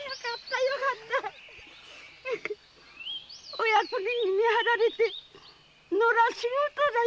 お役人に見張られて野良仕事だよ。